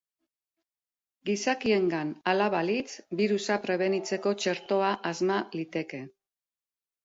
Gizakiengan hala balitz, birusa prebenitzeko txertoa asma liteke.